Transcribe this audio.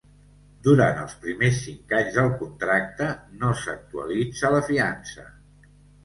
Durant els primers cinc anys del contracte no s'actualitza la fiança.